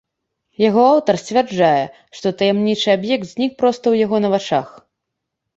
Яго аўтар сцвярджае, што таямнічы аб'ект знік проста ў яго на вачах.